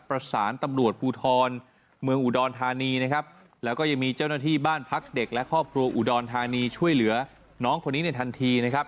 ประสานตำรวจภูทรเมืองอุดรธานีนะครับแล้วก็ยังมีเจ้าหน้าที่บ้านพักเด็กและครอบครัวอุดรธานีช่วยเหลือน้องคนนี้ในทันทีนะครับ